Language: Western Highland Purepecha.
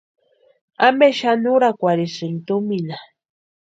¿Ampe xani úrakwarhisïnki tumina?